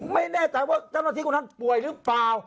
ไม่แน่ใจว่าเจ้าหน้าที่คนนั้นป่วยหรือเปล่า